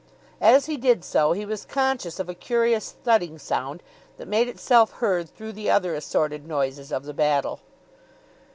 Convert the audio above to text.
As he did so he was conscious of a curious thudding sound that made itself heard through the other assorted noises of the battle.